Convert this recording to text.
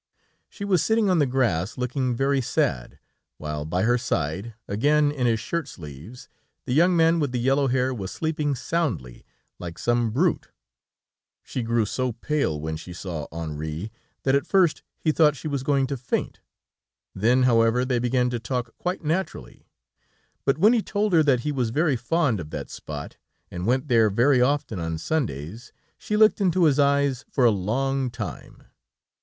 She was sitting on the grass, looking very sad, while by her side, again in his shirt sleeves the young man with the yellow hair was sleeping soundly, like some brute. She grew so pale when she saw Henri, that at first he thought she was going to faint, then, however, they began to talk quite naturally. But when he told her that he was very fond of that spot, and went there very often on Sundays, she looked into his eyes for a long time.